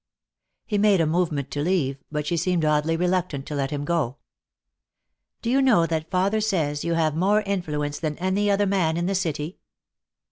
He made a movement to leave, but she seemed oddly reluctant to let him go. "Do you know that father says you have more influence than any other man in the city?"